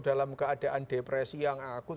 dalam keadaan depresi yang akut